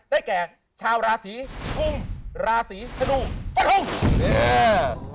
ได้แก่ชาวราศีทุ่งราศีธนูธนุษย์ธนุษย์